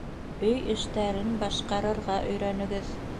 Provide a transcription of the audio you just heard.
Өй эштәрен башҡарырға өйрәнегеҙ.